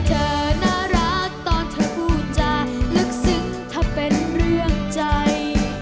เธอน่ารักตอนเธอพูดจาลึกซึ้งเธอเป็นเรื่องใจ